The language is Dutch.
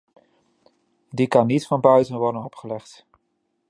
Die kan niet van buiten worden opgelegd.